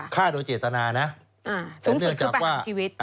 ฆ่าโดยเจตนานะสูงสุดคือประหารชีวิต